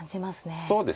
そうですね。